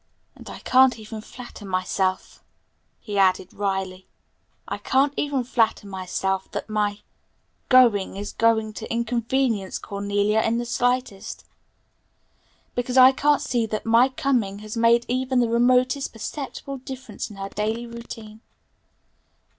"And I can't even flatter myself," he added wryly; "I can't even flatter myself that my going is going to inconvenience Cornelia in the slightest; because I can't see that my coming has made even the remotest perceptible difference in her daily routine.